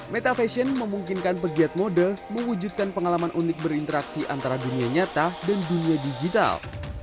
meta fashion memungkinkan pegiat mode mewujudkan pengalaman unik berinteraksi antara dunia nyata dan dunia digital